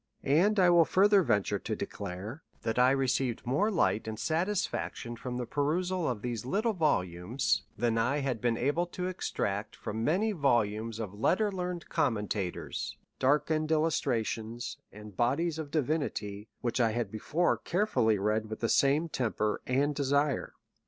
And I will further venture to declare, that I received more light and satisfaction from the perusal of these little volumes, than I had been able to extract from many volumes of letter learned commentators, darkened illustrations, and bodies ofdivinity, which I had before carefully read with the same temper and desire.